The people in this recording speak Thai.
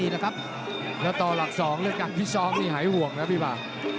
แล้วต่อหลัก๒แล้วกับพี่ซ้อมนี่หายห่วงนะพี่ป่า